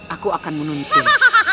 aku akan menuntun